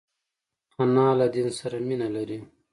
انا له دین سره مینه لري